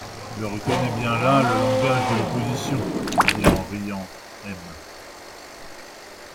Je reconnais bien là le langage de l'opposition, dit en riant M.